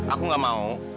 aku gak mau